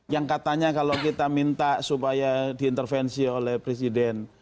yang katanya kalau kita minta supaya diintervensi oleh presiden